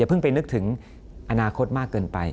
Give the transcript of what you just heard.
เพิ่งไปนึกถึงอนาคตมากเกินไป